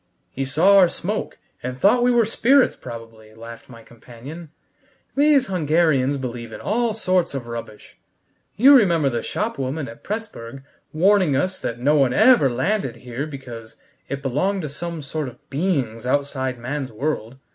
"He saw our smoke, and thought we were spirits probably," laughed my companion. "These Hungarians believe in all sorts of rubbish: you remember the shopwoman at Pressburg warning us that no one ever landed here because it belonged to some sort of beings outside man's world!